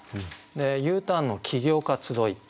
で「Ｕターンの起業家集ひ」。